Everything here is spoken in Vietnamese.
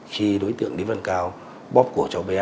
khi đối tượng lý văn cao bóp cổ cháu bé